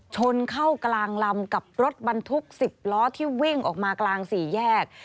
ชนเข้ากลางลำกับรถบรรทุก๑๐ล้อที่วิ่งออกมากลางสี่แยก